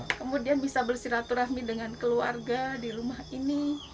kemudian bisa bersiratu rahmi dengan keluarga di rumah ini